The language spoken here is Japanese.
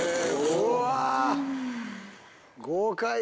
うわ！